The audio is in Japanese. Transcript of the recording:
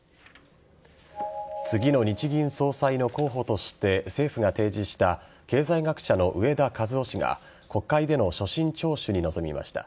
次の日銀総裁の候補として政府が提示した経済学者の植田和男氏が国会での所信聴取に臨みました。